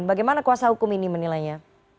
bagaimana kuasa hukum ini menilainya